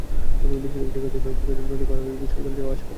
বেশির ভাগ শিক্ষার্থী এভাবে প্রতিদিন নদী পার হয়ে বিদ্যালয়ে যাওয়া-আসা করে।